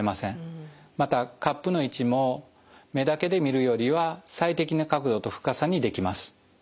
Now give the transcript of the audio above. またカップの位置も目だけで見るよりは最適な角度と深さにできます。